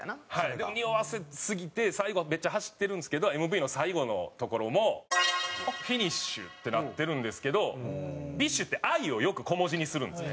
でもにおわせすぎて最後はめっちゃ走ってるんですけどＭＶの最後のところも「ＦＩＮｉＳＨ」ってなってるんですけどＢｉＳＨって「Ｉ」をよく小文字にするんですね。